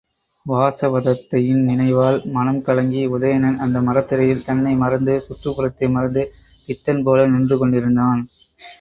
வாசவதத்தையின் நினைவால் மனங்கலங்கி உதயணன் அந்த மரத்தடியில் தன்னை மறந்து, சுற்றுப்புறத்தை மறந்து பித்தன் போல நின்று கொண்டிருந்தான்.